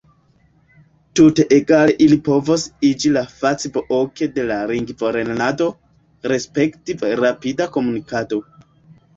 Tute egale ili povos iĝi la Facebook de la lingvolernado, respektive rapida komunikado.